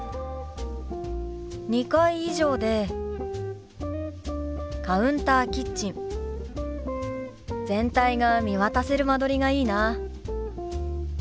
２階以上でカウンターキッチン全体が見渡せる間取りがいいな。